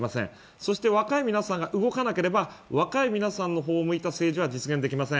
そして若い皆さんが動かなければ若い皆さんの方を向いた政治は実現できません